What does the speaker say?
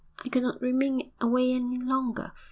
I could not remain away any longer.